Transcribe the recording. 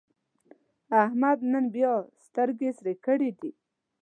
احمد نن بیا سترګې سرې کړې دي.